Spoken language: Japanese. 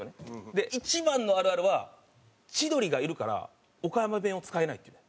で一番のあるあるは千鳥がいるから岡山弁を使えないっていうね。